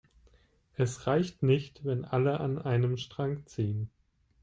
Es reicht nicht, wenn alle an einem Strang ziehen.